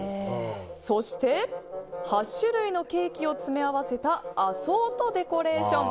そして８種類のケーキを詰め合わせたアソートデコレーション。